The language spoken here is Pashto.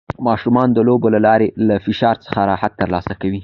ماشومان د لوبو له لارې له فشار څخه راحت ترلاسه کوي.